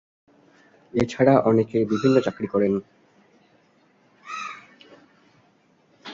এছাড়া অনেকে বিভিন্ন চাকুরী করেন।